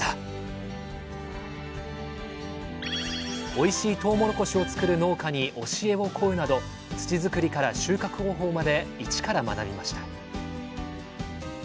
おいしいとうもろこしを作る農家に教えを請うなど土作りから収穫方法まで一から学びました。